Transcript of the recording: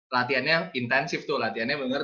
latihan yang intensif tuh latihan yang bener